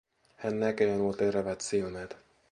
Hän näkee nuo terävät silmät.